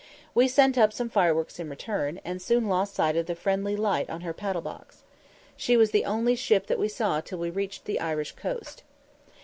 We sent up some fireworks in return, and soon lost sight of the friendly light on her paddle box. She was the only ship that we saw till we reached the Irish coast.